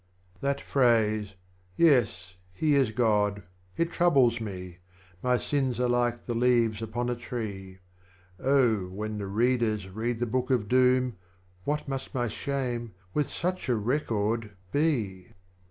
14. That phrase, " Yes, He is God," it troubles me, My Sins are like the Leaves upon a Tree ; Oh, when the Readers read the Book of Doom, What must my shame, with such a Record, be